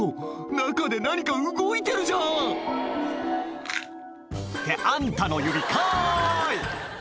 中で何か動いてるじゃん！ってあんたの指かい！